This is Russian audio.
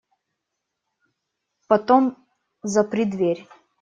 Потом запри дверь.